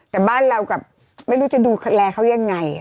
แต่บ้านเรากับไม่รู้จะดูแลเขายังไง